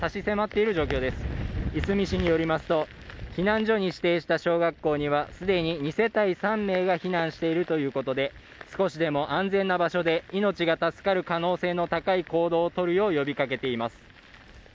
いすみ市によりますと、避難所に指定した小学校には既に２世帯３名が避難しているということで少しでも安全な場所で命が助かる可能性が高い行動を取るよう呼びかけています。